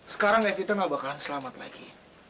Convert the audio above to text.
sekarang davita nggak bakalan selamat lagi